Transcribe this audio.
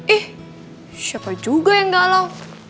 eh siapa juga yang galau